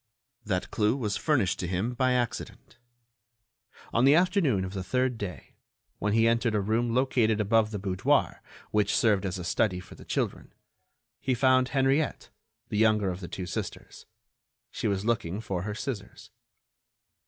That clue was furnished to him by accident. On the afternoon of the third day, when he entered a room located above the boudoir, which served as a study for the children, he found Henriette, the younger of the two sisters. She was looking for her scissors.